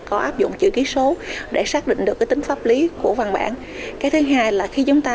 có áp dụng chữ ký số để xác định được cái tính pháp lý của văn bản cái thứ hai là khi chúng ta